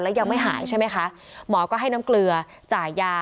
แล้วยังไม่หายใช่ไหมคะหมอก็ให้น้ำเกลือจ่ายยา